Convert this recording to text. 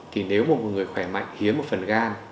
thì nếu một người khỏe mạnh hiến một phần gan